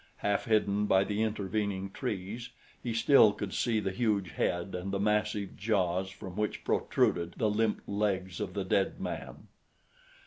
Half hidden by the intervening trees he still could see the huge head and the massive jaws from which protruded the limp legs of the dead man.